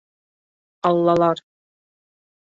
Аллалар!